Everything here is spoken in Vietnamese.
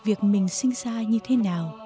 việc mình sinh ra như thế nào